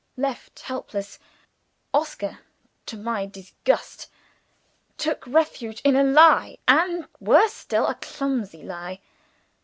Left helpless, Oscar (to my disgust) took refuge in a lie and, worse still, a clumsy lie.